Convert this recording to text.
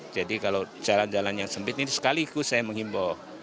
jadi kalau jalan jalan yang sempit ini sekaligus saya menghimbau